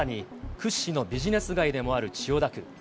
、屈指のビジネス街でもある千代田区。